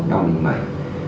đau mình mẩy